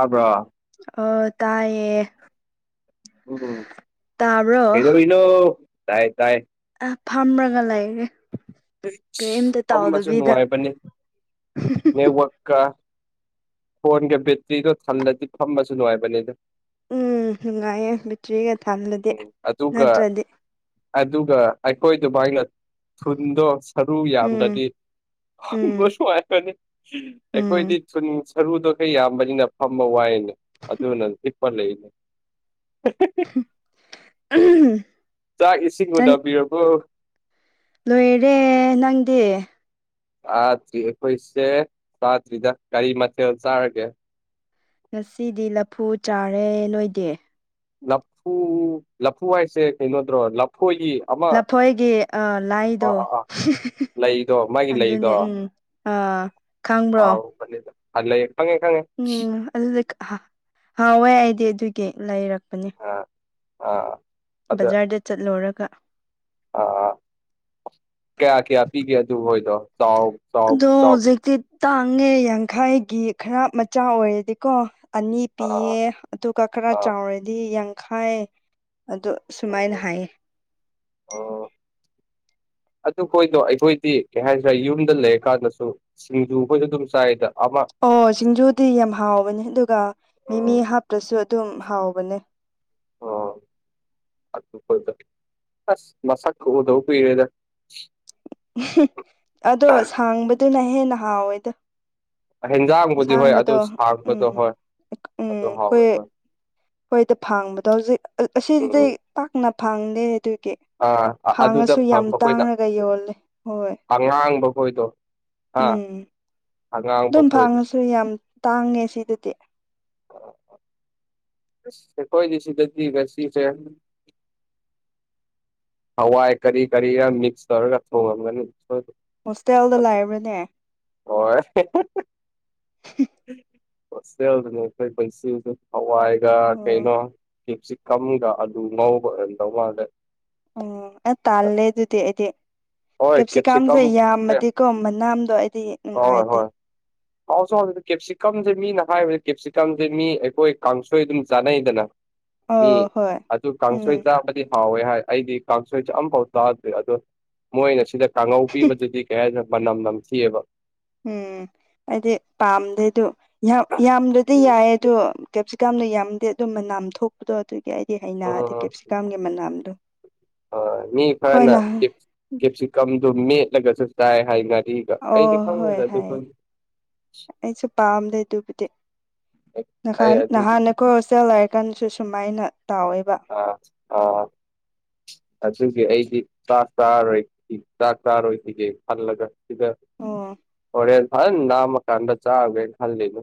ꯑꯕ꯭ꯔꯣ ꯑ ꯇꯥꯏꯌꯦ ꯎꯝ ꯇꯥꯕ꯭ꯔꯣ ꯀꯩꯗꯣꯔꯤꯅꯣ ꯇꯥꯏ ꯇꯥꯏ ꯑ ꯐꯥꯝ ꯔꯒ ꯂꯩꯔꯤ ꯐꯝꯕꯁꯨ ꯅꯨꯡꯉꯥꯏꯕꯅꯤ ꯅꯦꯠꯋꯛ ꯀ ꯐꯣꯟꯒ ꯕꯦꯇ꯭ꯔꯤꯗꯣ ꯊꯜꯂꯗꯤ ꯐꯝꯕꯁꯨ ꯅꯨꯡꯉꯥꯏꯕꯅꯦ ꯑꯗꯨ ꯎꯝ ꯅꯨꯡꯉꯥꯏꯌꯦ ꯄ꯭ꯇ꯭ꯔꯤꯒ ꯊꯜꯂꯗꯤ ꯎꯝ ꯑꯗꯨꯒ ꯅꯠꯇ꯭ꯔꯗꯤ ꯑꯗꯨꯒ ꯑꯩꯈꯣꯏꯗꯨꯃꯥꯏꯅ ꯊꯨꯟꯗꯣ ꯁꯔꯨ ꯎꯝ ꯌꯥꯝꯗ꯭ꯔꯗꯤ ꯎꯝ ꯍꯕ ꯁꯉꯏꯅꯤ ꯎꯝ ꯑꯩꯈꯣꯏꯗꯤ ꯊꯨꯅꯁꯤ ꯁꯔꯨꯗꯣ ꯈ ꯌꯥꯝꯕꯅꯤꯅ ꯐꯝꯕ ꯋꯥꯏꯅꯦ ꯑꯗꯨꯅ ꯍꯤꯞꯄ ꯂꯩꯅꯦ [unintelligible] ꯎꯝ ꯆꯥꯛ ꯏꯁꯤꯡ ꯎꯅꯕꯤꯔꯕꯣ ꯂꯣꯏꯔꯦ ꯅꯪꯗꯤ ꯇꯥꯗ꯭ꯔꯤ ꯑꯩꯈꯣꯏꯁꯦ ꯆꯥꯗ꯭ꯔꯤꯗ ꯒꯥꯔꯤ ꯃꯊꯦꯜ ꯆꯥꯔꯒꯦ ꯉꯁꯤꯗꯤ ꯂꯐꯨ ꯆꯥꯔꯦ ꯅꯣꯏꯗꯤ ꯂꯐꯨ ꯂꯐꯨ ꯍꯥꯏꯁꯦ ꯀꯩꯅꯣꯗ꯭ꯔꯣ ꯂꯐꯣꯒꯤ ꯂꯐꯣꯏꯒꯤ ꯂꯥꯏꯗꯣ ꯑꯥ ꯂꯩꯗꯣ ꯃ ꯑꯗꯨꯅꯦ ꯎꯝ ꯑꯥ ꯈꯪꯕ꯭ꯔꯣ ꯑꯗꯨꯗ ꯂꯩ ꯈꯪꯉꯦ ꯈꯪꯉꯦ ꯎꯝ ꯑꯗꯨꯗꯤ ꯍꯋꯥꯏ ꯑꯩꯗꯤ ꯑꯗꯨꯒꯤ ꯂꯩꯔꯛꯄꯅꯦ ꯑ ꯑ ꯕꯖꯥꯔꯗ ꯆꯠꯂꯨꯔꯒ ꯑꯥ ꯀꯌꯥ ꯀꯌꯥ ꯄꯤꯒꯦ ꯑꯗꯨ ꯍꯣꯏꯗꯣ ꯆꯥꯎ ꯆꯥꯎ ꯑꯗꯣ ꯆꯥꯎ ꯍꯧꯖꯤꯛꯇꯤ ꯇꯥꯡꯉꯦ ꯌꯥꯡꯈꯥꯏꯒꯤ ꯈꯔ ꯃꯆꯥ ꯑꯣꯏꯔꯗꯤꯀꯣ ꯑꯅꯤ ꯑꯥ ꯄꯤꯌꯦ ꯑꯗꯨꯒ ꯈꯔ ꯑꯥ ꯆꯥꯎꯔꯗꯤ ꯌꯥꯡꯈꯥꯏ ꯑꯣ ꯁꯨꯃꯥꯏꯅ ꯍꯥꯏꯌꯦ ꯑꯣ ꯑꯗꯨꯈꯣꯏꯗꯣ ꯑꯩꯈꯣꯏꯗꯤ ꯀꯩ ꯍꯥꯏꯗ꯭ꯔꯦ ꯌꯨꯝꯗ ꯂꯩꯔ ꯀꯥꯟꯗꯁꯨ ꯁꯤꯡꯖꯨ ꯑꯩꯈꯣꯏꯗ ꯑꯗꯨꯝ ꯆꯥꯏꯗ ꯑꯃ ꯑꯣ ꯁꯤꯡꯖꯨꯗꯤ ꯌꯥꯝ ꯍꯥꯎꯕꯅꯦ ꯑꯗꯨꯒ ꯃꯤꯃꯤ ꯑꯥ ꯍꯥꯞꯄꯁꯨ ꯑꯗꯨꯝ ꯍꯥꯎꯕꯅꯦ ꯑꯣ ꯑꯗꯨ ꯑꯁ ꯃꯁꯛ ꯑꯣꯗꯧꯕ ꯀꯨꯏꯔꯦꯗ ꯑꯗꯣ ꯁꯥꯡꯕꯗꯨꯅ ꯍꯦꯟꯅ ꯍꯥꯎꯋꯦꯗ ꯍꯦꯟꯖꯥꯡꯕꯨꯗꯤ ꯍꯣꯏ ꯑꯗꯨ ꯑꯁꯥꯡꯕꯗꯣ ꯎꯝ ꯁꯥꯡꯕꯗꯣ ꯍꯣꯏ ꯑꯗꯨ ꯍꯥꯎꯋꯦ ꯍꯣꯏ ꯍꯣꯏꯗ ꯐꯥꯡꯕꯗꯣ ꯍꯧꯖꯤꯛ ꯎꯝ ꯑꯁꯤꯁꯤꯗꯤꯩ ꯄꯥꯛꯅ ꯐꯥꯡꯗꯦ ꯑꯗꯨꯒꯤ ꯑꯥ ꯑ- ꯑꯗꯨꯗ ꯐꯥꯡꯉꯁꯨ ꯌꯥꯝ ꯐꯪꯕ ꯑꯩꯈꯣꯏꯅ ꯇꯥꯡꯂꯒ ꯌꯣꯂꯦ ꯍꯣꯏ ꯑꯉꯥꯡꯕ ꯈꯣꯏꯗꯣ ꯑꯥ ꯎꯝ ꯑꯉꯥꯡꯕ ꯑꯗꯨꯝ ꯈꯣꯏꯗꯣ ꯐꯥꯡꯉꯁꯨ ꯌꯥꯝ ꯇꯥꯡꯉꯦ ꯁꯤꯗꯗꯤ [unintelligible] ꯀꯣꯏ ꯁꯤꯒꯗꯤ ꯁꯤꯁ ꯍꯋꯥꯏ ꯀꯔꯤ ꯀꯔꯤꯒ ꯃꯤꯛꯁ ꯇꯧꯔꯒ ꯊꯣꯡꯉꯝꯒꯅꯤꯣꯏ ꯍꯣꯁꯇꯦꯜꯗ ꯂꯩꯕ꯭ꯔꯅꯦ ꯍꯣꯏ ꯁꯦ ꯅ ꯀꯟꯁꯤ ꯍꯋꯥ ꯑꯩꯒ ꯑꯣ ꯀꯩꯅꯩꯅꯣ ꯀꯦꯞꯁꯤ ꯀꯪꯒ ꯑꯗꯨ ꯉꯧꯕ ꯍꯗꯧ ꯃꯥꯗ ꯑꯣꯝ ꯑ ꯇꯥꯜꯂꯦ ꯑꯗꯨꯗꯤ ꯑꯩꯗꯤ ꯍꯣꯏ ꯀꯦꯞꯁꯤꯀꯝ ꯀꯦꯞꯁꯤꯀꯥꯝꯁꯦ ꯑꯦ ꯌꯥꯝꯃꯗꯤꯀꯣ ꯃꯅꯥꯝꯗꯣ ꯑꯩꯗꯤ ꯅꯨꯡꯉꯥꯏꯇꯦ ꯑꯥꯎꯁꯨꯥꯎꯁꯤꯗ ꯀꯦꯞꯁꯤꯀꯝꯁꯦ ꯃꯤꯅ ꯍꯥꯏꯕꯗꯤ ꯀꯦꯞꯁꯤꯀꯝꯁꯦ ꯃꯤ ꯑꯩꯈꯣꯏ ꯀꯥꯡꯁꯣꯏ ꯑꯗꯨꯝ ꯆꯥꯅꯩꯗꯅ ꯃꯤ ꯑꯣ ꯍꯣꯏ ꯑꯗꯨ ꯑꯗꯨ ꯀ ꯎꯝ ꯀꯥꯡꯁꯗꯤ ꯍꯥꯎꯋꯦ ꯍꯥꯏ ꯑꯩꯗꯤ ꯀꯥꯡꯁꯣꯏ ꯆꯝꯐꯥꯎ ꯇꯥꯗ꯭꯭ꯔꯦ ꯑꯗꯣ ꯃꯣꯏꯅ ꯁꯤꯗ ꯀꯥꯡꯉꯧ ꯄꯤꯕꯗꯨꯗꯤ ꯀꯩ ꯍꯥꯏ ꯃꯅꯝ ꯅꯝꯊꯑꯕ ꯎꯝ ꯍꯥꯏꯗꯤ ꯄꯥꯝꯗꯦꯗ ꯌꯥꯝ ꯌꯥꯝꯗꯗꯤ ꯎꯝ ꯌꯥꯏ ꯑꯗꯣ ꯀꯦꯞꯁꯤ ꯀꯥꯝꯅ ꯌꯥꯝꯗꯦ ꯑꯗꯨꯝꯕ ꯅꯥꯝ ꯊꯣꯛꯄꯗꯣ ꯑꯗꯨꯒꯤ ꯑꯩꯗꯤ ꯍꯩꯅꯗ ꯀꯦꯞꯁꯤꯀꯥꯝꯒꯤ ꯃꯅꯥꯝꯗꯣ ꯎꯝ ꯃꯤ ꯑꯩꯣꯏ ꯈꯔꯅ ꯅꯍ ꯀꯦꯞꯁꯤꯀꯝꯗꯨ ꯃꯦꯠꯂꯒꯁꯨ ꯆꯥꯏ ꯍꯥꯏꯅꯔꯤ ꯑꯣ ꯍꯣꯏ ꯍ ꯑꯩꯁꯨ ꯄꯥꯝꯗꯦ ꯑꯗꯨꯕꯨꯗꯤ ꯑꯩ ꯅꯍꯥꯟ ꯑꯗꯨꯒꯤ ꯅꯍꯥꯟꯅ ꯑꯩꯈꯣꯏ ꯍꯣꯁꯇꯦꯜ ꯍꯥꯏꯔꯤꯀꯥꯟꯁꯨ ꯁꯨꯃꯥꯏꯅ ꯇꯥꯎꯋꯦꯕ ꯑ ꯑ ꯑꯗꯨꯒꯤ ꯑꯩꯗꯤ ꯆꯥꯛ ꯆꯥꯔꯔꯣꯏ ꯆꯥꯛ ꯆꯥꯔꯣꯏꯈꯤꯒꯦ ꯈꯜꯂꯒ ꯁꯤꯗ ꯑꯣ ꯍꯣꯔꯦꯟ ꯐꯅ ꯅꯥꯝꯃ ꯀꯥꯟꯗ ꯆꯥꯒꯦꯅ ꯈꯜꯂꯤꯅ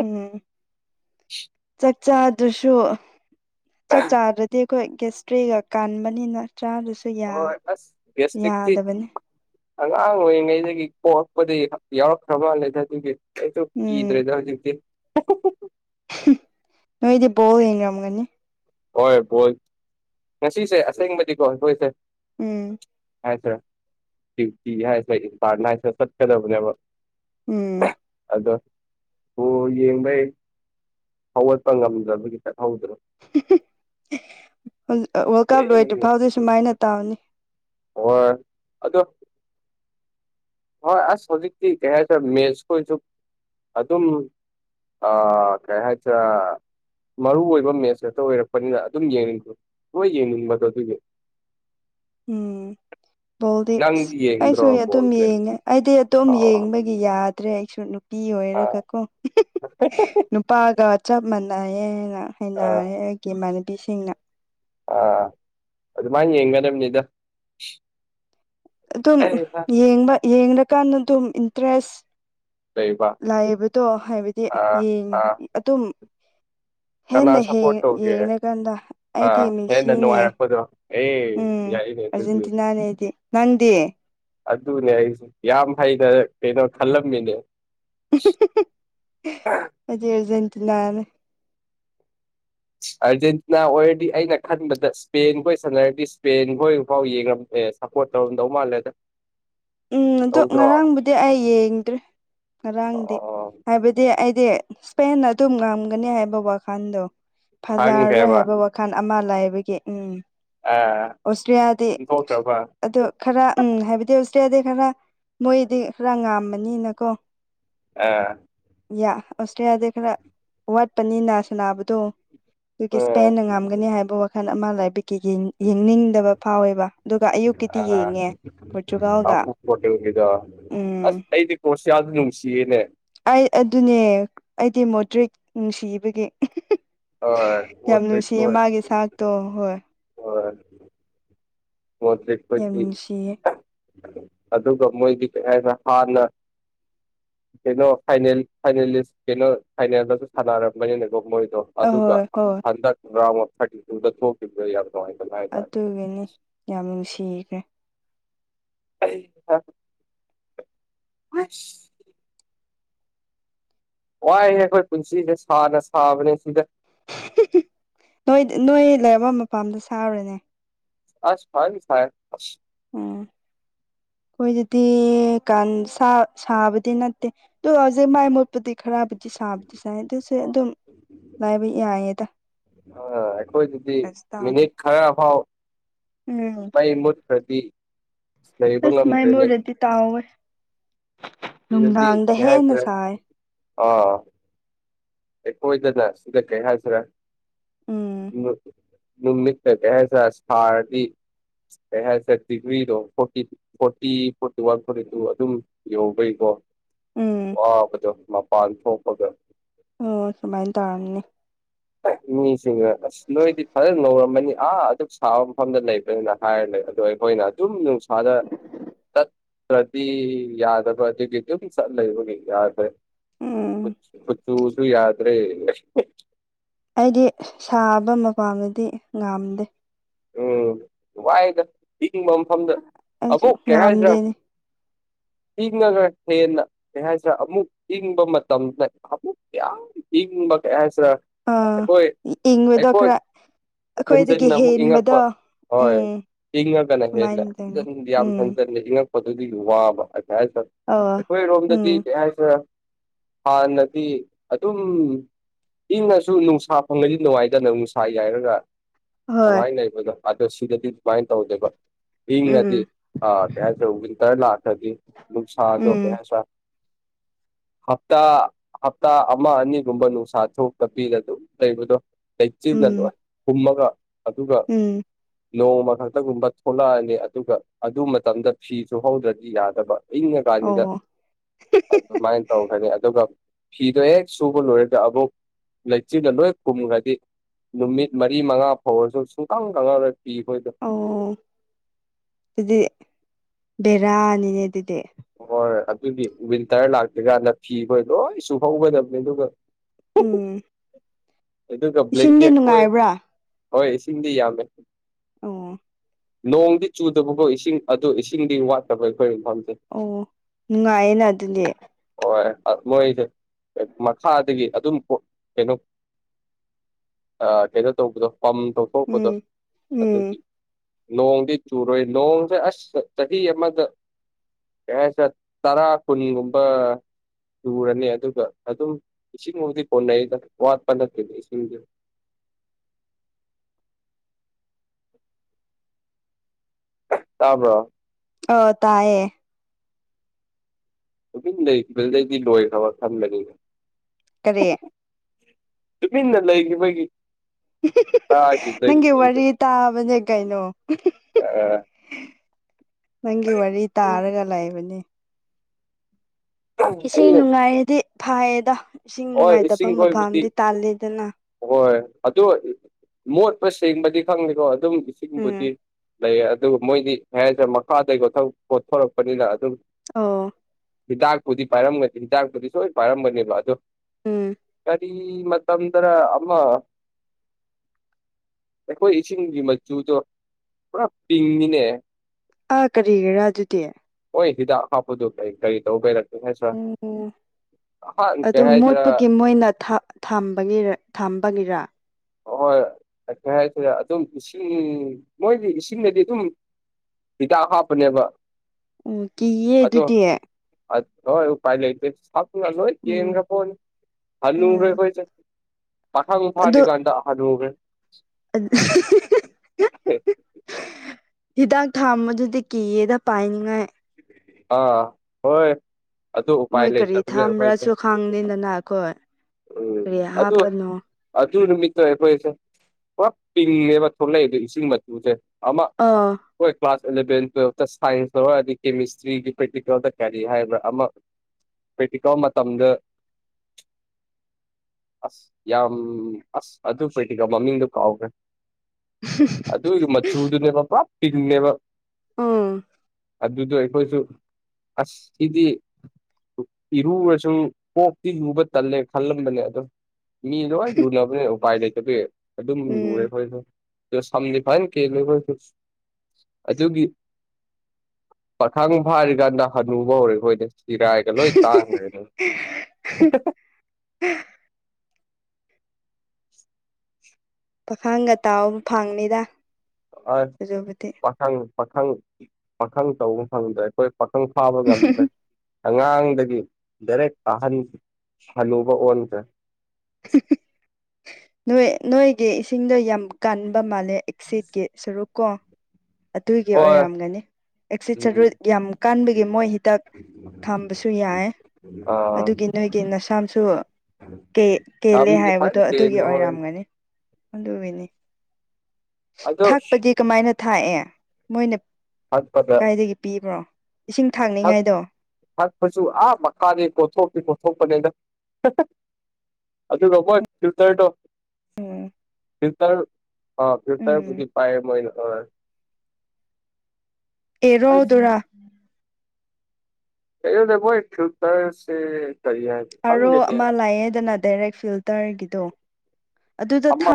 ꯎꯝ ꯆꯥꯛꯆꯥꯥꯗꯨꯁꯨ ꯆꯥꯛ ꯆꯥꯗꯗꯤ ꯑꯩꯈꯣꯏ ꯒꯦꯁꯇ꯭ꯔꯤꯒ ꯀꯥꯟꯕꯅꯤꯅ ꯆꯥꯗꯁꯨ ꯁꯨ ꯍꯣꯏ ꯑꯁ ꯒꯦꯁꯇ꯭ꯔꯤꯛꯇꯤ ꯌꯥꯗꯕꯅꯤ ꯑꯉꯥꯡ ꯑꯣꯏꯔꯤꯉꯩꯗꯒꯤ ꯄꯣꯛꯔꯛꯄꯗꯒꯤ ꯌꯥꯎꯔꯛꯈ꯭ꯔ ꯃꯥꯜꯂꯦꯗ ꯑꯗꯨꯒꯤ ꯑꯩꯁꯨꯣ ꯀ ꯎꯝ ꯏꯗ꯭ꯔꯦꯗ ꯍꯧꯖꯤꯛꯛꯇ ꯅꯣꯡꯣꯏꯗꯤ ꯣ ꯂꯩꯔꯝ ꯍꯣꯏ ꯄꯣꯣꯏ ꯉꯁꯤꯁꯦ ꯑꯁꯦꯡꯕꯗꯤꯀꯣ ꯍꯣꯏ ꯁꯦ ꯎꯝ ꯍꯥꯏꯁꯤꯔꯥ ꯇꯌꯨꯇꯤ ꯍꯥꯏꯁꯤꯔꯥ ꯏꯚꯔ ꯍꯥꯏꯁꯤꯔꯥ ꯆꯠꯀꯗꯕꯅꯦꯕ ꯎꯝ ꯑꯗꯣ ꯑꯣ ꯌꯦꯡꯕꯩ ꯍꯧꯒꯠꯄ ꯉꯝꯗꯕꯒꯤ ꯆꯠꯍꯧꯗꯅꯣ ꯋꯥꯔꯜ ꯀꯥꯞ ꯂꯣꯏꯗ꯭ꯔꯤ ꯊꯦꯡꯅ ꯐꯥꯎꯗꯤ ꯁꯨꯃꯥꯏꯅ ꯇꯥꯅꯤ ꯍ ꯑꯗꯨꯗꯣ ꯍꯣꯏ ꯑꯁ ꯍꯧꯖꯤꯛꯇꯤ ꯀꯩ ꯍꯥꯏꯇꯥꯔꯦ ꯃꯦꯠꯁꯈꯣꯏꯁꯨ ꯑꯗꯨꯝ ꯑ ꯀꯩ ꯍꯥꯏꯦ ꯆ ꯃꯔꯨꯑꯣ ꯑꯣꯏꯕ ꯃꯦꯠꯆ ꯈꯇ ꯑꯣꯏꯔꯛꯄꯅꯤꯅ ꯑꯗꯨꯝ ꯌꯦꯡꯅꯤꯡꯕꯣ ꯍꯣꯏ ꯌꯦꯡꯅꯤꯡꯕꯗꯣ ꯑꯗꯨꯒꯤ ꯎꯝ ꯕꯣꯜꯗꯤ ꯑꯁ ꯅꯪꯗꯤ ꯌꯦꯡꯗ꯭ꯔꯣ ꯑꯩꯁꯨ ꯑꯗꯨꯝ ꯕꯣꯜꯁꯦ ꯌꯦꯡꯉꯦ ꯑꯩꯗꯤ ꯑꯗꯨꯝ ꯑꯥ ꯌꯦꯡꯕꯒꯤ ꯑꯩ ꯌꯥꯗ꯭ꯔꯦ ꯑꯩꯁꯨ ꯅꯨꯄꯤ ꯑꯥ ꯑꯣꯏꯔꯒ ꯀꯣ ꯅꯨꯄꯥꯒ ꯆꯞ ꯃꯥꯟꯅ ꯂꯑꯌꯦꯦꯅ ꯑꯥ ꯍꯟꯅꯔꯦ ꯑꯩꯒꯤꯃꯥꯟꯅꯕꯤꯁꯤꯡꯅ ꯑꯥ ꯑꯗꯨꯃꯥꯏꯅ ꯌꯦꯡꯒꯗꯕꯅꯤꯗ ꯑꯗꯨꯝ ꯑꯩꯍꯥ ꯌꯦꯡꯕ ꯌꯦꯡꯉꯀꯥꯟꯗ ꯑꯗꯨꯝ ꯏꯟꯇꯔꯦꯁ ꯂꯩꯕ ꯂꯥꯏꯕꯗꯣ ꯍꯥꯏꯕꯗꯤ ꯑꯥ ꯌꯦ ꯑꯥ ꯑꯗꯨꯝ ꯀꯅꯥ ꯍꯦꯟꯅ ꯁꯞꯄꯣꯔꯠ ꯇꯧꯒꯦ ꯌꯦꯡꯉꯀꯥꯟꯗ ꯑ ꯑꯩꯗꯤ ꯍꯦꯟꯅ ꯃꯦꯁꯤꯅꯦ ꯅꯨꯡꯉꯥꯏꯔꯛꯄꯗꯣ ꯑꯦ ꯎꯝ ꯌꯥꯏ ꯐ [unintelligible] ꯅꯪꯗꯤ ꯑꯗꯨꯅꯦ ꯑꯩꯁꯦ ꯌꯥꯝ ꯍꯩꯅ ꯀꯩꯅꯣ ꯈꯜꯂꯝꯃꯤꯅꯦ [unintelligible] ꯈꯩꯗꯤ ꯑꯔꯖꯦꯟꯇꯤꯅꯥꯅ ꯑꯥꯔꯖꯦꯟꯇꯤꯅꯥ ꯑꯣꯏꯔꯗꯤ ꯑꯩꯅ ꯈꯟꯕꯗ ꯏꯁꯄꯦꯟ ꯈꯣꯏ ꯁꯥꯟꯅꯔꯗꯤ ꯏꯁꯄꯦꯟꯈꯣꯏꯐꯥꯎ ꯌꯦꯡꯉꯝꯗꯦ ꯑꯄꯣꯠꯇꯗꯧꯃꯜꯂꯦꯗ ꯎꯝ ꯑꯗꯣ ꯉꯔꯥꯡꯕꯨꯗꯤ ꯑꯩ ꯌꯦꯡꯗ꯭ꯔꯦ ꯉꯔꯥꯡꯗꯤ ꯑꯣ ꯍꯥꯏꯕꯗꯤ ꯗꯤ ꯑꯩꯗꯤ ꯏꯁꯄꯦꯟꯅ ꯑꯗꯨꯝ ꯉꯝꯒꯅꯤ ꯍꯥꯏꯕ ꯋꯥꯈꯜꯗꯣ ꯐꯖꯔꯔꯣꯏ ꯈꯪꯈ꯭ꯔꯦꯕ ꯍꯥꯏꯕ ꯋꯥꯈꯜ ꯃꯈꯥꯟ ꯑꯃ ꯂꯥꯏꯕꯒꯤ ꯎꯝ ꯑꯥ ꯑꯣꯁꯇꯔꯤꯌꯥꯗꯤ ꯑꯣꯟꯊꯣꯛꯈ꯭ꯔꯕ ꯑꯗ ꯈꯔ ꯎꯝ ꯍꯥꯏꯕꯗꯤ ꯆꯦꯗꯤ ꯈꯔ ꯃꯣꯏꯗꯤ ꯈꯔ ꯉꯥꯝꯃꯅꯤꯅꯀꯣ ꯑ ꯌꯥ ꯑꯣꯁꯇ꯭ꯔꯦꯂꯤꯌꯥꯗꯩ ꯈꯔ ꯋꯥꯠꯄꯅꯤꯅ ꯁꯅꯥꯕꯗꯣ ꯑꯗꯨꯒꯤ ꯏꯁꯄꯦꯟꯅ ꯉꯝꯒꯅꯤ ꯍꯥꯏꯕ ꯋꯥꯈꯜ ꯑꯃ ꯂꯕꯤ ꯀ ꯌꯦꯡꯅꯤꯡꯗꯕ ꯐꯥꯎꯋꯦꯕ ꯑꯗꯨꯒ ꯑꯌꯨꯛꯀꯤꯗꯤ ꯌꯦꯡꯉꯦ ꯄ ꯄꯣꯔꯇꯨꯒꯥꯜꯒ ꯍꯣꯇꯦꯜꯒꯤꯗ ꯑꯁ ꯎꯝ ꯑꯩꯗꯤ ꯀꯣꯔ꯭ꯔꯣꯁ ꯌꯥꯝꯗꯤ ꯅꯨꯡꯁꯤꯌꯦꯅꯦ ꯑꯩ ꯑꯗꯨꯅꯦ ꯑꯩꯗꯤ ꯃꯣꯗ꯭ꯔꯤꯛ ꯅꯨꯡꯁꯤꯕꯒꯤ ꯍꯣꯏ ꯌꯥꯝ ꯃꯣꯗ꯭ꯔꯤꯛ ꯅꯨꯡꯁꯤꯌꯦ ꯍꯣꯏ ꯃꯥꯒꯤ ꯁꯥꯥꯛꯇꯣ ꯍꯣꯏ ꯍꯣꯏ ꯃꯣꯇꯔꯤ ꯌꯥꯝ ꯑꯩꯣꯏꯒꯤ ꯅꯨꯡꯁꯤꯌꯦ ꯑꯗꯨꯒ ꯃꯣꯏꯗꯤ ꯀ ꯍꯥꯏ ꯍꯥꯟꯅ ꯀꯩꯅꯣ ꯐꯥꯏꯅꯦꯜ ꯐꯥꯏꯅꯦꯁ ꯀꯩꯅꯣ ꯐꯥꯏꯅꯦꯜꯗꯁꯨ ꯁꯥꯟꯅꯔꯝꯕꯅꯤꯅꯀꯣ ꯃꯣꯏꯗꯣ ꯑꯗꯨꯒ ꯑꯍꯣꯏ ꯍꯣꯏ ꯍꯟꯗꯛ ꯔꯥꯃ ꯐꯀꯤꯗ ꯊꯣꯛꯈꯤꯕ ꯌꯥꯔꯣꯏ ꯑꯗꯨꯒꯤꯅꯤ ꯌꯥꯝ ꯅꯨꯡꯁꯤꯈ꯭ꯔꯦ [unintelligible] ꯋꯥꯏ ꯑꯩꯈꯣꯏ ꯄꯨꯟꯁꯤꯁꯦ ꯁꯥꯅ ꯁꯥꯕꯅꯦ ꯁꯤꯗ ꯅꯣꯏ ꯅꯣꯏ ꯂꯩꯔꯝꯕ ꯃꯄꯥꯝꯗ ꯁꯥꯔꯨꯔꯦꯅꯦ ꯑꯁ ꯐꯅꯤ ꯐꯥꯏ ꯎꯝ ꯑꯩꯈꯣꯏꯗꯗꯤ ꯀ ꯁꯥꯕꯗꯤ ꯅꯠꯇꯦ ꯑ ꯍꯧꯖꯤꯛ ꯃꯥꯏ ꯃꯣꯠꯄꯗꯤ ꯈꯔꯕꯨꯗꯤ ꯁꯥꯕꯗꯤ ꯁꯥꯏ ꯑꯗꯨꯁꯨꯦ ꯑꯗꯨꯝ ꯂꯥꯏꯕ ꯌꯥꯏꯌꯦꯗ ꯑ ꯑꯩꯈꯣꯏꯗꯗꯤ ꯀꯩꯁꯨ ꯇꯧꯗꯦ ꯃꯤꯅꯤꯠ ꯈꯔꯐꯥꯎ ꯎꯝ ꯃꯨꯠ꯭ꯔꯗꯤ ꯑꯁ ꯃꯥꯏ ꯃꯨꯔꯗꯤ ꯇꯥꯎꯋꯦ ꯁꯤꯗꯗꯤ ꯅꯨꯡꯗꯥꯡꯗ ꯀꯩ ꯍꯦꯟꯅ ꯍꯥꯏꯁꯤꯔꯦ ꯁꯥꯏ ꯑꯥ ꯑꯩꯈꯣꯏꯗꯅ ꯁꯤꯗ ꯀꯩ ꯍꯥꯏꯁꯤꯔꯦ ꯎꯝ ꯅꯨꯃꯤꯠꯇ ꯍꯖꯔ ꯊꯔꯗꯤ ꯑꯦ ꯍꯖꯔ ꯗꯤꯒ꯭ꯔꯤꯗꯣ forty forty forty one forty-two ꯑꯗꯨꯝ ꯌꯍꯧꯕꯩꯀꯣ ꯎꯝ ꯋꯥꯕꯗꫭ ꯄꯥꯟ ꯊꯣꯛꯄꯒ ꯑꯣ ꯁꯨꯃꯥꯏꯅ ꯇꯧꯔꯝꯅꯤ ꯃꯤꯁꯤꯡꯅ ꯑꯁ ꯅꯣꯏꯗꯤ ꯐꯖꯅ ꯉꯧꯔꯝꯃꯅꯤ ꯑꯥ ꯑꯗꯨꯛ ꯁꯕꯥ ꯃꯐꯝꯗ ꯂꯩꯕꯅꯤꯅ ꯍꯥꯏꯔ ꯂꯩ ꯑꯗꫭ ꯑꯩꯈꯣꯏꯅ ꯑꯗꯨꯝ ꯅꯨꯡꯁꯥꯗ ꯆꯠꯇꯔꯥꯗꯤ ꯌꯥꯗꯕ ꯑꯗꯨꯒꯤ ꯑꯗꯨꯝ ꯆꯠ ꯂꯩꯕꯒꯤ ꯌꯥꯗꯔ‌ꯦ ꯎꯝ ꯀꯨꯠꯆꯨꯁꯨ ꯌꯥꯗ ꯔꯦ ꯑꯩꯗꯤ ꯁꯥꯕ ꯃꯄꯥꯝꯗꯗꯤ ꯉꯥꯝꯗꯦ ꯎꯝ ꯋꯥꯏꯗ ꯏꯪꯕ ꯃꯐꯝꯗ ꯑꯩꯁꯨ ꯑꯃꯨꯛ ꯀꯩ ꯍꯥꯏꯁꯤꯔꯥ ꯉꯥꯝꯗꯦꯅꯦ ꯏꯪꯉꯒ ꯍꯦꯟꯅ ꯀꯩ ꯍꯥꯏꯁꯤꯔꯦ ꯑꯃꯨꯛ ꯏꯪꯕ ꯃꯇꯝꯗ ꯑꯃꯨꯛ ꯌꯥꯝ ꯏꯤꯡꯕ ꯀꯩꯍꯥꯏꯁꯤꯔꯥ ꯑꯥ ꯑꯩꯈꯣꯏ ꯏꯪꯕꯗꯣ ꯑꯩꯈꯣꯏ ꯈꯔ ꯑꯩꯈꯣꯏꯗꯒꯤ ꯍꯟꯖꯤꯟꯅ ꯑꯃꯨꯛ ꯏꯪꯉꯛ ꯍꯦꯟꯕꯗꯣ ꯍꯣꯏ ꯍꯣꯏ ꯎꯝ ꯏꯪꯉꯒꯅ ꯍꯦꯟꯅ ꯁꯨꯃꯥꯏꯅ ꯇꯧꯅꯤ ꯌꯥꯝ ꯎꯝ ꯍꯟꯖꯟꯅ ꯏꯉꯛ ꯗꯤ ꯋꯥꯕ ꯀ ꯍꯥꯏꯦ [unintelligible] ꯑꯣ ꯎꯝ ꯑꯩꯈꯣꯏꯔꯣꯝꯗꯗꯤ ꯀꯩ ꯍꯥꯏꯦ ꯍꯥꯟꯅꯗꯤ ꯑꯗꯨꯝ ꯏꯪꯉꯁꯨ ꯅꯨꯡꯁꯥ ꯐꯪꯉꯗꯤ ꯅꯨꯡꯉꯥꯏꯗꯅ ꯅꯨꯡꯁꯥ ꯌꯥꯏꯔꯒ ꯍꯣꯏ ꯑꯗꯨꯃꯥꯏꯅ ꯂꯩꯕꯗꫭ ꯑꯗꯣ ꯁꯤꯗꯗꯤ ꯑꯗꯨꯨꯃꯥꯏꯅ ꯇꯧꯗꯦꯕ ꯎꯝ ꯏꯪꯉꯗꯤ ꯑꯥ ꯀꯩꯍꯥꯏꯁꯤꯔꯥ ꯋꯤꯟꯇꯔ ꯂꯥꯛꯇ꯭ꯔꯗꯤ ꯅꯨꯡꯁꯥꯗꯣ ꯎꯝ ꯀꯩꯍꯥꯏꯁꯤꯔꯥ [inaudible] ꯍꯞꯇꯥ ꯍꯞꯇꯥ ꯑꯃ ꯑꯅꯤꯒꯨꯝꯕ ꯅꯨꯡꯁꯥ ꯊꯣꯛꯇꯄꯤꯗ ꯑꯗꯨꯝ ꯂꯩꯕꯗꯣ ꯂꯩꯆꯤꯜꯟꯅ ꯎꯝ ꯂꯣꯏ ꯈꯨꯝꯃꯒ ꯑꯗꯨꯒ ꯎꯝ ꯅꯣꯡꯃ ꯈꯛꯇꯒꯨꯝꯕ ꯊꯣꯛꯂꯛꯑꯅꯤ ꯑꯗꯨꯒ ꯑꯗꯨ ꯃꯇꯝꯗ ꯐꯤ ꯁꯨꯍꯧꯗ꯭ꯔꯗꯤ ꯌꯥꯗꯕ ꯏꯪꯉꯥ ꯀꯅꯤꯗ ꯑꯣ [unintelligible] ꯑꯗꯨꯃꯥꯏꯅ ꯇꯧꯈ꯭ꯔꯅꯤ ꯑꯗꯨꯒ ꯐꯤꯗꯣ ꯍꯦꯛ ꯁꯨꯕ ꯂꯣꯏꯔꯒ ꯑꯃꯨꯛ ꯂꯩꯆꯤꯜꯅꯥ ꯂꯣꯏ ꯈꯨꯝꯈ꯭ꯔꯗꯤ ꯅꯨꯃꯤꯠ ꯃꯔꯤ ꯃꯉꯥ ꯐꯧꯔꯁꯨ ꯁꯨꯡ ꯀꯪ ꯀꯪꯉꯔꫭꯏ ꯐꯤꯈꫭꯏꯗꫭ ꯑꯣ ꯑꯗꯨꯗꯤ ꯕꯦꯔꯥꯅꯤꯅꯦ ꯑꯗꯨꯗꯤ ꯍꯣꯏ ꯑꯗꯨꯗꯤ ꯋꯤꯟꯇꯔ ꯂꯥꯛꯇ꯭ꯔꯤꯀꯥꯟꯗ ꯐꯤꯈꯣꯏ ꯂꯣꯏ ꯁꯨꯈꯧꯒꯗꯕꯅꯤ ꯑꯗꯨꯒ ꯎꯝ ꯑꯗꯨꯒ ꯏꯁꯤꯡꯗꯤ ꯕ꯭ꯂꯦꯡꯀꯦꯠ ꯍꯣꯏ ꯅꯨꯡꯉꯥꯏꯕ꯭ꯔꯥ ꯍꯣꯏ ꯏꯁꯤꯡꯗꯤ ꯌꯥꯝꯃꯦ ꯑꯣ ꯅꯣꯡꯗꯤ ꯆꯨꯗꯕꯀꫭ ꯏꯁꯤꯡ ꯑꯗꯨ ꯏꯁꯤꯡꯗꯤ ꯋꯥꯠꯇꯕ ꯑꯩꯈꯣꯏ ꯏꯝꯐꯥꯜꯖ‌ꯦ ꯑꯣ ꯅꯨꯡꯉꯥꯏꯌꯦꯅ ꯑꯗꯨꯅꯦ ꯍꫭꯏ ꯃꯣꯏꯁꯦ ꯃꯈꯥꯗꯒꯤ ꯑꯗꯨꯝ ꯀꯩꯅꯣ ꯀꯩꯅꯣ ꯇꯧꯕꯗꯣ ꯄꯝ ꯊꯣꯛꯊꯣꯛꯄꯗꯣ ꯎꯝ ꯎꯝ ꯑꯗꯨꯒꯤ ꯅꯣꯡꯗꯤ ꯆꯨꯔꯣꯏ ꯅꯣꯡꯁꯦ ꯑꯁ ꯆꯍꯤ ꯑꯃꯗ ꯀꯩꯍꯥꯏꯁꯤꯔ ꯇꯔꯥ ꯀꯨꯟ ꯒꯨꯝꯕ ꯆꯨꯔꯅꯤ ꯑꯗꯨꯒ ꯑꯗꯨꯝ ꯏꯁꯤꯡꯐꯥꯎꯗꯤ ꯀꯣꯟꯅꯩꯗ ꯋꯥꯠꯄ ꯅꯠꯇꯦꯗ ꯏꯁꯤꯡꯗꯤ ꯇꯕ꯭ꯔꯣ ꯑꫭ ꯇꯥꯏꯌꯦ ꯇꯨꯃꯤꯟ ꯂꯩꯈꯔ‌ꯦ ꯑꯩꯗꯤ ꯂꫭꯏꯈꯔꯥꯕ ꯈꯟꯕꯅꯤꯅ‌ꯦ ꯀꯔꯤ ꯇꯨꯃꯤꯟꯅ ꯂꯩꯈꯤꯕꯒꯤ ꯇꯥꯈꯤꯕꯗꯒꯤ ꯅꯪꯒꯤ ꯋꯥꯔꯤ ꯇꯥꯕꯅꯦꯀꯩꯅꫭ ꯑ [unintelligible] ꯅꯪꯒꯤ ꯋꯥꯔꯤ ꯇꯥꯔꯒ ꯂꯩꯕꯅꯤ ꯏꯁꯤꯡ ꯑꯩꯅ ꯅꯨꯡꯉꯥꯏꯔꯗꯤ ꯐꯥꯏꯌꯦꯗ ꯏꯁꯤꯡ ꯍꯣꯏ ꯅꯨꯡꯉꯥꯏꯇꯕ ꯏꯁꯤꯡ ꯈꯣꯏꯕꯨꯗꯤ ꯃꯐꯝꯗꯤ ꯇꯥꯜꯂꯦꯗꯅ ꯍꯣꯏ ꯑꯗꫭ ꯃꯣꯠꯄ ꯁꯦꯡꯕꯗꯤ ꯈꯪꯗ‌ꯦꯀꯣ ꯑꯗꯨꯝ ꯏꯁꯤꯡꯕꯨꯗꯤ ꯎꯝ ꯂꯩꯌꯦ ꯑꯗꯨ ꯃꯣꯏꯗꯤ ꯐꯥꯌꯔ ꯏꯁꯇꯝ ꯃꯈꯥꯗꯩ ꯀꯣꯊꯣꯔꯛꯄꯅꯤꯅ ꯑꯗꯨꯝ ꯑꯣ ꯍꯤꯇꯥꯛꯄꯨꯗꯤ ꯄꯥꯏꯔꯝꯒꯅꯤ ꯍꯤꯇꯥꯛꯄꯨꯗꯤ ꯁꯣꯏ ꯄꯥꯏꯔꯝꯒꯅꯦꯕ ꯑꯗꯣ ꯎꯝ ꯀꯔꯤ ꯃꯇꯝꯗꯔ ꯑꯃ ꯑꯩꯈꯣꯏ ꯏꯁꯤꯡꯒꯤ ꯃꯆꯨꯗꯣ ꯄꯨꯔꯥ ꯄꯤꯡꯅꯤꯅꯦ ꯑꯥ ꯀꯔꯤꯒꯤꯔꯥ ꯑꯗꯨꯗꯤ ꯃꯣꯏ ꯍꯤꯗꯥꯛ ꯍꯥꯞꯄꯗꯨ ꯀꯩ ꯀꯔꯤ ꯇꯧꯕꯩꯔꯥ ꯑꯣ ꯑꯣ ꯑꯗꯨ ꯀꯩ ꯍꯥꯏꯁꯤꯔꯥ ꯃꯣꯠꯄꯒꯤ ꯃꯣꯏꯅ ꯊꯥ ꯊꯝꯕꯒꯤ ꯊꯝꯕꯒꯤꯔ ꯑꯍꯣꯏ ꯀꯩ ꯍꯥꯏꯁꯤꯔꯦ ꯑꯗꯨꯝ ꯏꯁꯤꯡ ꯃꯣꯏꯗꯤ ꯏꯁꯤꯡꯗꯗꯤ ꯑꯗꯨꯝ ꯍꯤꯗꯥꯛ ꯍꯥꯞꯄꯅꯦꯕ ꯑꯣ ꯀꯤꯌꯦ ꯑꯗꯨꯗꯤ ꯑꯗ ꯍꯣꯏ ꯎꯄꯥꯏ ꯂꯩꯇꯦ ꯁꯝꯒ ꯂꯣꯏ ꯎꯝ ꯀꯦꯟꯒ꯭ꯔ ꯄꯣꯠꯅꯤ ꯍꯟꯅꯨꯈ꯭ꯔꯦ ꯑꯩꯈꯣꯏꯁꯦ ꯄꯥꯈꯪ ꯐꯥꯗ꯭ꯔꯤꯀꯥꯟꯗ ꯍꯟꯅꯨꯈ꯭ꯔꯦ ꯑꯗ [unintelligible] ꯍꯤꯗꯥꯛ ꯊꯥꯝꯕꯗꯨꯗꯤ ꯀꯤꯌꯦꯗ ꯄꯥꯏꯅꯤꯡꯉꯥꯏ ꯑꯥ ꯍꯣꯏ ꯑꯗꯨ ꯎꯄꯥꯏ ꯃꯣꯏ ꯀꯔꯤ ꯂꯩꯇꯕꯅꯤꯅ ꯑꯩꯈꯣꯏꯁꯦ ꯊꯥꯝꯕ꯭ꯔꯥꯁꯨ ꯈꯥꯡꯅꯤꯗꯅ ꯑꯈꯣꯏ ꯎꯝ ꯀꯔꯤ ꯑꯗꯨ ꯍꯥꯞꯄꯅꯣ ꯑꯗꯨ ꯅꯨꯃꯤꯠꯇ ꯑꯩꯈꯣꯏꯁꯦ ꯄꯨꯂꯞ ꯄꯤꯡꯅꯦꯕ ꯊꯣꯛꯂꯛꯏꯗꯨ ꯏꯁꯤꯡ ꯃꯆꯨꯁꯦ ꯑꯃ ꯑꯣ ꯍꯣꯏ ꯀ꯭ꯂꯥꯁ ꯏꯂꯚꯦꯟ ꯇꯨꯋꯦꯜꯐꯇ ꯁꯥꯏꯟꯁ ꯂꯧꯔꯛꯑꯗꯤ ꯀꯦꯃꯤꯁꯇ꯭ꯔꯤꯒꯤ ꯄ꯭ꯔꯦꯛꯇꯤꯀꯦꯜꯗ ꯀꯔꯤ ꯍꯥꯏꯕ꯭ꯔꯥ ꯑꯃ ꯄ꯭ꯔꯦꯛꯇꯤꯀꯦꯜ ꯃꯇꯝꯗ ꯑꯁ ꯌꯥꯝ ꯑꯁ ꯑꯗꯨ ꯄ꯭ꯔꯦꯛꯇꯤꯀꯦꯜ ꯃꯃꯤꯡꯗꯨ ꯀꯥꯎꯈ꯭ꯔꯦ [unintelligible] ꯑꯗꯨꯢꯗꯨ ꯃꯆꯨꯗꯨꯅꯦꯕ ꯄꯣꯔꯥ ꯄꯤꯡꯅꯦꯕ ꯎꯝ ꯑꯗꯨꯗꯣ ꯑꯩꯈꯣꯏꯁꯨ ꯑꯁ ꯁꯤꯗꯤ ꯏꯔꯨꯔꯁꯨ ꯀꯣꯛꯇꯤ ꯂꯨꯕ ꯇꯜꯂꯦ ꯈꯜꯂꯝꯕꯅꯦ ꯑꯗꯣ ꯃꯤ ꯂꯣꯢ ꯂꯨꯅꯕꯅꯦ ꯎꯄꯥꯏ ꯂꯩꯇꯕꯒꯤ ꯑꯗꯨꯝ ꯂꯨꯔꯦ ꯎꯝ ꯑꯩꯈꯣꯏꯁꯨ ꯑꯗꯨ ꯁꯝꯗꯤ ꯐꯖꯅ ꯀꯦꯂꯤ ꯑꯈꯣꯢꯁꯨ ꯑꯗꯨꯒꯤ ꯄꯥꯈꯪ ꯐꯥꯔꯤꯀꯥꯟꯗ ꯍꯅꯨꯕ ꯍꯧꯔꯦ ꯑꯈꯣꯏꯗꯤ ꯆꯤꯔꯥꯏꯒ ꯂꯣꯏ ꯇꯥꯡꯈ꯭ꯔꯦꯅꯦ [unintelligible] ꯍꯦ ꯄꯥꯈꯥꯡꯒ ꯇꯥꯎ ꯐꯪꯅꯤꯗ ꯑꯥꯢ ꯑꯗꯨꯕꯨꯗꯤ ꯄꯥꯈꯪ ꯄꯥꯈꯪ ꯄꯥꯈꯪ ꯇꯧꯕ ꯐꯪꯗ꯭ꯔꯦ ꯑꯩꯈꯣꯏ ꯄꯥꯈꯪ ꯐꯥꯕ ꯉꯝꯗ꯭ꯔꯦ ꯑꯉꯥꯡꯗꯒꯤ ꯗꯥꯏꯔꯦꯛ ꯑꯍꯟ ꯍꯟꯅꯨꯕ ꯑꯣꯟꯈ꯭ꯔꯦ [unintelligible] ꯅꯣꯏ ꯅꯣꯏꯒꯤ ꯏꯁꯤꯡꯗꯣ ꯌꯥꯝ ꯀꯟꯕ ꯃꯥꯜꯂꯦ ꯑꯦꯛꯁꯤꯠꯀꯤ ꯁꯔꯨꯛ ꯀꯣ ꯑꯗꯨꯒꯤ ꯍꯣꯏ ꯑꯣꯏꯔꯝꯒꯅꯤ ꯑꯦꯛꯁꯤꯠ ꯎꯝ ꯁꯔꯨꯠ ꯌꯥꯝ ꯀꯥꯟꯕꯒꯤ ꯃꯣꯏ ꯍꯤꯗꯥꯛ ꯊꯝꯕꯁꯨ ꯌꯥꯏ ꯑꯥ ꯑꯗꯨꯒꯤ ꯅꯣꯏꯒꯤ ꯅꯁꯝꯁꯨ ꯀꯦ ꯀꯦꯜꯂꯦ ꯁꯝꯗꯤ ꯍꯥꯏꯕꯗꯣ ꯐꯖꯅ ꯑꯗꯨꯒꯤ ꯀꯦꯜꯂꯦ ꯍꯣꯏ ꯑꯣꯏꯔꯝꯒꯅꯤ ꯑꯗꯨꯒꯤꯅꯤ ꯑꯗꯣ ꯊꯛꯄꯗꯤ ꯀꯃꯥꯏꯅ ꯊꯥꯛꯑꯦ ꯃꯣꯏꯅ ꯊꯛꯄꯗ ꯀꯥꯏꯗꯒꯤ ꯄꯤꯕ꯭ꯔꯣ ꯏꯁꯤꯡ ꯊꯛ ꯊꯛꯅꯤꯉꯥꯏꯗꯣ ꯊꯛꯄꯁꯨ ꯑꯥ ꯃꯈꯥꯗꯩ ꯀꯣꯊꯣꯛꯇꯤ ꯀꯣꯊꯣꯛꯄꯅꯤꯗꯥ ꯍꯦ ꯍꯦ ꯑꯗꯨꯒ ꯃꯣꯏ ꯐꯤꯜꯇꯔ ꯇꯣ ꯎꯝ ꯐꯇꯔ ꯑ ꯐꯨꯇꯔꯕꯨ ꯎꯝ ꯄꯥꯏ ꯃꯣꯏ ꯑꯁ ꯑꯦꯔꯣꯗꯨꯔꯥ ꯑꯩꯗꯕꯣ ꯀꯌꯨꯠꯇꯔꯁꯤ ꯇꯔꯤ ꯍꯥꯏ ꯑꯥꯔꯣ ꯈꯪꯗꯦꯅꯦ ꯑꯃ ꯂꯥꯛꯑꯦꯗꯅ ꯗꯥꯏꯔꯦꯛ ꯐꯤꯜꯇꯔꯒꯤꯗꯣ ꯑꯗꯨꯗ ꯑꯃ ꯊ